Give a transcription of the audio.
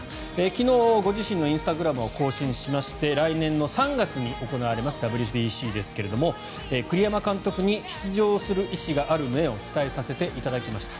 昨日、ご自身のインスタグラムを更新しまして来年の３月に行われますＷＢＣですが栗山監督に出場する意思がある旨を伝えさせていただきました